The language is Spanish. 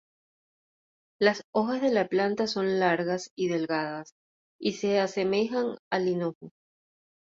Las hojas de la planta son largas y delgadas y se asemejan al hinojo.